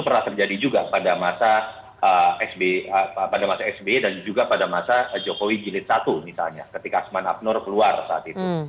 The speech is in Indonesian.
pada masa sbe dan juga pada masa jokowi jilid satu misalnya ketika asman abner keluar saat itu